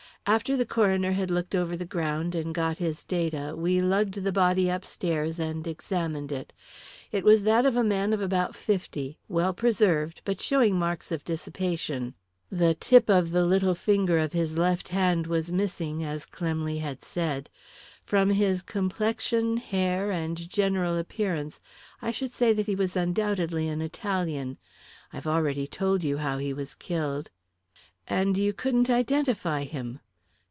"After the coroner had looked over the ground and got his data, we lugged the body upstairs and examined it. It was that of a man of about fifty, well preserved, but showing marks of dissipation. The tip of the little finger on his left hand was missing, as Clemley had said. From his complexion, hair, and general appearance I should say that he was undoubtedly an Italian. I've already told you how he was killed." "And you couldn't identify him."